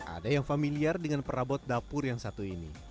ada yang familiar dengan perabot dapur yang satu ini